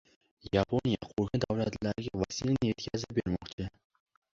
Yaponiya qo‘shni davlatlariga vaksina yetkazib bermoqchi